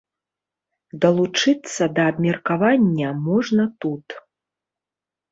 Далучыцца да абмеркавання можна тут.